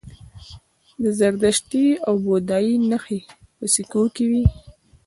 د زردشتي او بودايي نښې په سکو وې